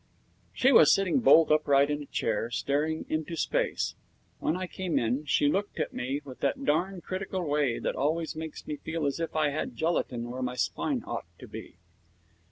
She was sitting bolt upright in a chair, staring into space. When I came in she looked at me in that darn critical way that always makes me feel as if I had gelatine where my spine ought to be.